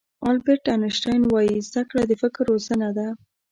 البرټ آینشټاین وایي زده کړه د فکر روزنه ده.